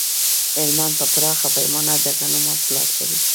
هلمند په پراخه پیمانه د غنمو حاصلات لري